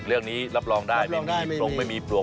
เริ่มนี้รับรองได้ไม่มีผลงไม่มีผลวก